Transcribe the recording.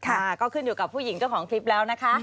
ค่ะก็ขึ้นอยู่กับผู้หญิงเจ้าของคลิปแล้วนะคะ